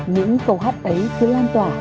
những câu hát ấy cứ lan tỏa